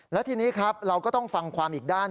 และทีนี้ครับเราก็ต้องฟังความอีกด้าน